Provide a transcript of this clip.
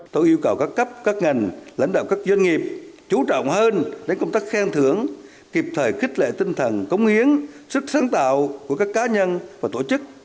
tôi yêu cầu các cấp các ngành lãnh đạo các doanh nghiệp chú trọng hơn đến công tác khen thưởng kịp thời khích lệ tinh thần cống hiến sức sáng tạo của các cá nhân và tổ chức